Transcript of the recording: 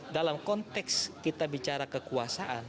dalam konteks kita bicara kekuasaan